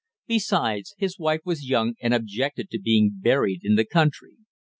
Besides, his wife was young and objected to being buried in the country.